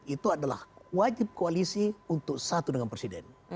itu adalah wajib koalisi untuk satu dengan presiden